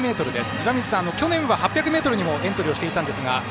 岩水さん、去年は８００ｍにもエントリーしていたんですが。